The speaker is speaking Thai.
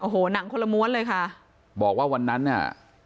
โอ้โหหนังคนละม้วนเลยค่ะบอกว่าวันนั้นเนี่ย